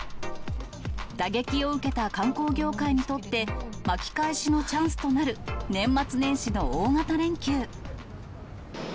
打撃を受けた観光業界にとって、巻き返しのチャンスとなる年末年始の大型連休。